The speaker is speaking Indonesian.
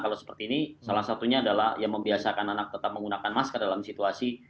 kalau seperti ini salah satunya adalah ya membiasakan anak tetap menggunakan masker dalam situasi